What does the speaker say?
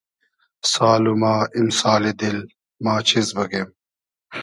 سال و ما ایمسالی دیل ما چیز بوگیم